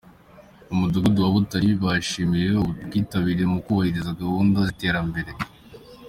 Mu Mudugudu wa Butare bashimiwe ubwitabire mu kubahiriza gahunda z’iterambere